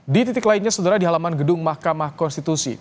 di titik lainnya saudara di halaman gedung mahkamah konstitusi